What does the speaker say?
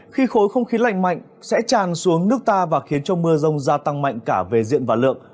khi khối không khí lạnh mạnh sẽ tràn xuống nước ta và khiến cho mưa rông gia tăng mạnh cả về diện và lượng